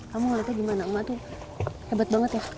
kamu ngeliatnya gimana emak tuh hebat banget ya